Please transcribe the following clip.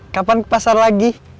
kapan ke pasar lagi